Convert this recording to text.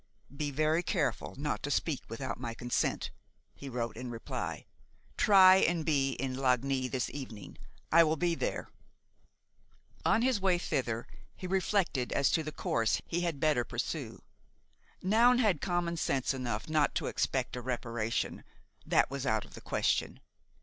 "Be very careful not to speak without my consent," he wrote in reply. "Try and be in Lagny this evening. I will be there." On his way thither he reflected as to the course he had better pursue. Noun had common sense enough not to expect a reparation–that was out of the question.